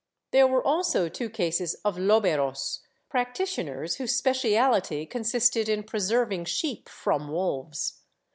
There were also two cases of loberos — practitioners whose speciality consisted in preserving sheep from wolves.